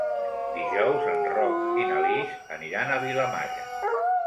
Dijous en Roc i na Lis aniran a Vilamalla.